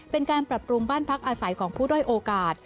เป็นการปรับปรุงบ้านพักอาศัยของผู้ด้อยโอกาส